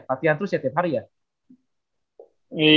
latihan terus ya tiap hari ya